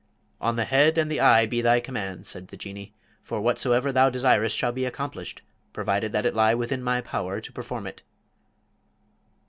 "On the head and the eye be thy commands!" said the Jinnee; "for whatsoever thou desirest shall be accomplished, provided that it lie within my power to perform it."